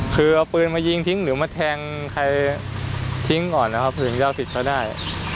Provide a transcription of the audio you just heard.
คือเอาปืนมายิงทิ้งหรือมาแทงใครทิ้งก่อนนะครับถึงจะเอาสิทธิ์ใช้ได้